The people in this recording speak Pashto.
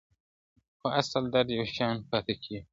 خو اصل درد يو شان پاته کيږي د ټولو لپاره,